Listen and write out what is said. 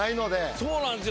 そうなんですよ。